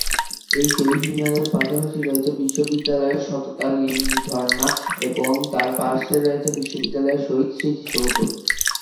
এই শহীদ মিনারের পাশাপাশি রয়েছে বিশ্ববিদ্যালয়ের সততা ঝর্ণা এবং তার পার্শ্বে রয়েছে বিশ্ববিদ্যালয়ের শহীদ স্মৃতিসৌধ।